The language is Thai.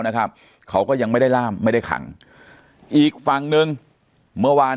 นะครับเขาก็ยังไม่ได้ล่ามไม่ได้ขังอีกฝั่งหนึ่งเมื่อวาน